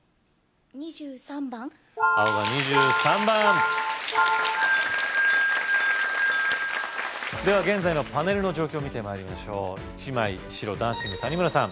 ２３番青が２３番・・では現在のパネルの状況見て参りましょう１枚白・ダンシング☆谷村さん